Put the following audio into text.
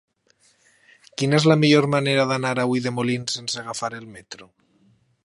Quina és la millor manera d'anar a Ulldemolins sense agafar el metro?